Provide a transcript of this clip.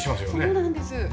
そうなんです。